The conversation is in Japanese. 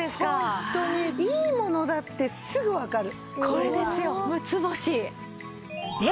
ホントに。いいものだってすぐわかる。